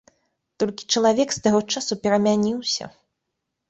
Толькі чалавек з таго часу перамяніўся.